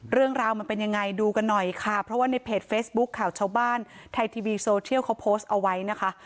เรื่องราวมันเป็นยังไงดูกันหน่อยค่ะเพราะว่าในเพจเฟซบุ๊คข่าวชาวบ้านไทยทีวีโซเชียลเขาโพสต์เอาไว้นะคะ